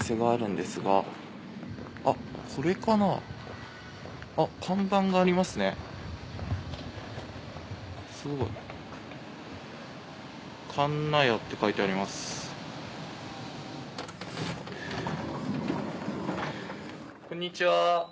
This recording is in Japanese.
はいこんにちは。